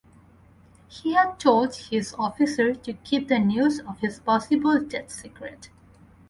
He had told his officers to keep the news of his possible death secret.